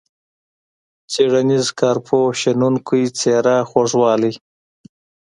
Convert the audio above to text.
څیړنیز، کارپوه ، شنونکی ، څیره، خوږوالی.